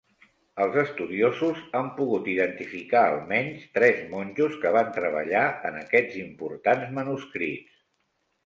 Els estudiosos han pogut identificar almenys tres monjos que van treballar en aquests importants manuscrits.